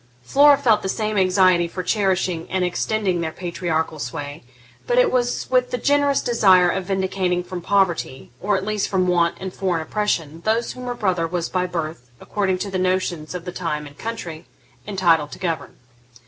Flora felt the same anxiety for cherishing and extending their patriarchal sway, but it was with the generous desire of vindicating from poverty, or at least from want and foreign oppression, those whom her brother was by birth, according to the notions of the time and country, entitled to govern.